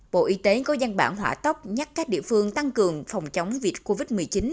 bộ y tế có gian bản hỏa tốc nhắc các địa phương tăng cường phòng chống dịch covid một mươi chín